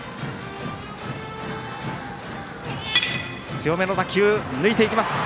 強めの打球抜いていきます。